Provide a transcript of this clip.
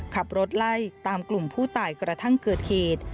ขับรถไล่ตามกลุ่มผู้ตายกระทั่งเกิดเหตุ